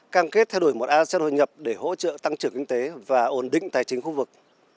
cam kết theo đuổi một asean hội nhập để hỗ trợ tăng trưởng kinh tế và ổn định tài chính khu vực